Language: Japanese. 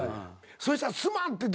そしたらすまんって。